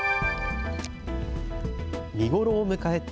見頃を迎えた